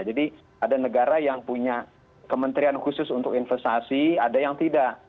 jadi ada negara yang punya kementerian khusus untuk investasi ada yang tidak